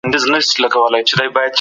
په دې لاره کي خنډونه پيدا کيږي.